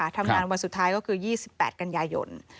ทำงานวันสุดท้ายก็คือ๒๘กันยายน